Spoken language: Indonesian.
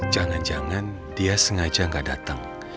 jangan jangan dia sengaja gak datang